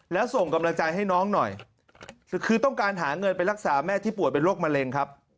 แล้วส่งกำลังใจให้น้องหน่อยคือต้องการหาเงินไปรักษาแม่ที่ป่วยเป็นโรคมะเร็งครับ